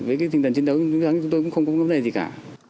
với tinh thần chiến đấu chúng tôi cũng không có vấn đề gì cả